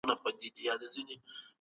احمد نن په بازار کي خپل تره ولیدی.